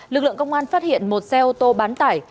lực lượng công an phát hiện một xe ô tô bán tải